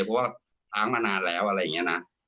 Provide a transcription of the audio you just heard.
เพราะว่าค้างมานานแล้วอะไรอย่างนี้นะ